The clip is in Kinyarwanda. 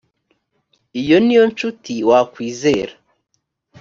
iyo ni yo ncuti wakwizera